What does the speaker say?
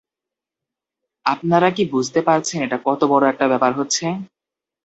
আপনারা কি বুঝতে পারছেন এটা কত বড়ো একটা ব্যাপার হচ্ছে!